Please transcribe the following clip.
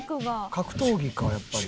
格闘技かやっぱり。